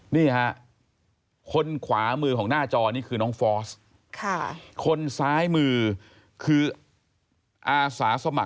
นี่ค่ะคนขวามือของหน้าจอนี่คือน้องฟอส